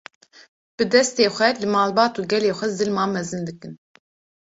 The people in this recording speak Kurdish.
bi destê xwe li malbat û gelê xwe zilma mezin dikin